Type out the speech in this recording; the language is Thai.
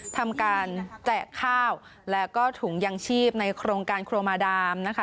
ทำการแจกข้าวแล้วก็ถุงยังชีพในโครงการครัวมาดามนะคะ